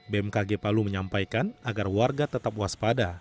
bmkg palu menyampaikan agar warga tetap waspada